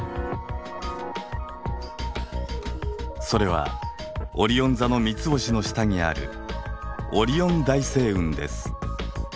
それはオリオン座の３つ星の下にあるオリオン大星雲です。